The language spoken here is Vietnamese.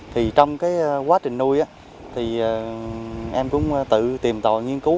thì trong quá trình nuôi em cũng tự tìm tòi nghiên cứu